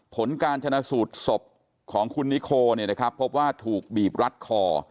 ผลการชนะสูตรศพของคุณนิโคพบว่าถูกบีบรัดคอ